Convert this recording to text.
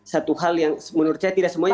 satu hal yang menurut saya tidak semuanya